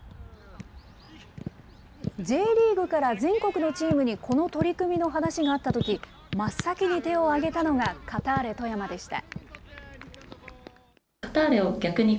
Ｊリーグから全国のチームにこの取り組みの話があったとき、真っ先に手を挙げたのがカターレ富山でした。